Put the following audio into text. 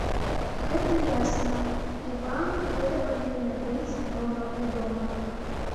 Гэта ясна, і вам гэта павінна быць даўно вядома.